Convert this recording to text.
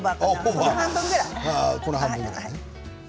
この半分ぐらい。